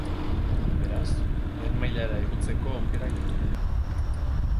Beraz, lehen mailara igotzeko aukerak ditu.